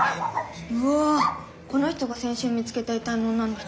うわぁこの人が先週見つけた遺体の女の人。